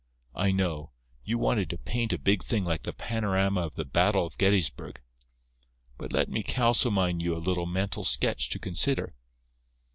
I know. You wanted to paint a big thing like the panorama of the battle of Gettysburg. But let me kalsomine you a little mental sketch to consider.